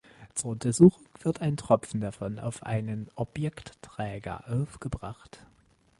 Zur Untersuchung wird ein Tropfen davon auf einen Objektträger aufgebracht.